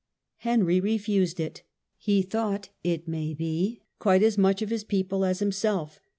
Henry refused it. He thought, it may be, quite as much of his people as himself.